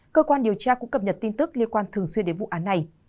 cơ quan điều tra cũng cập nhật tin tức liên quan thường xuyên đến vụ án này